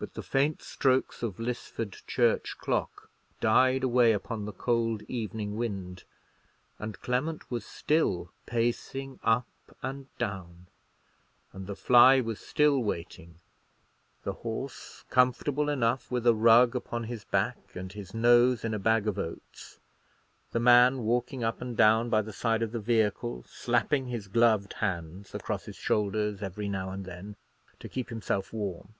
But the faint strokes of Lisford church clock died away upon the cold evening wind, and Clement was still pacing up and down, and the fly was still waiting; the horse comfortable enough, with a rug upon his back and his nose in a bag of oats; the man walking up and down by the side of the vehicle, slapping his gloved hands across his shoulders every now and then to keep himself warm.